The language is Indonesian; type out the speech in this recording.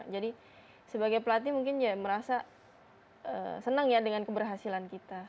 jadi sebagai pelatih mungkin ya merasa senang ya dengan keberhasilan kita